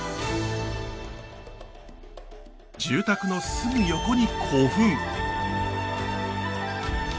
住宅のすぐ横に古墳！